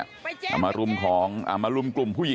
แล้วป้าไปติดหัวมันเมื่อกี้แล้วป้าไปติดหัวมันเมื่อกี้